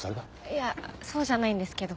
いやそうじゃないんですけど。